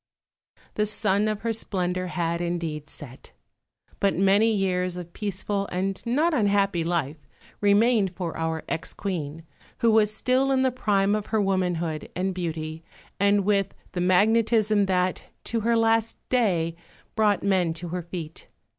The sun of her splendour had indeed set, but many years of peaceful and not unhappy life remained for our ex Queen, who was still in the prime of her womanhood and beauty and with the magnetism that, to her last day, brought men to her feet.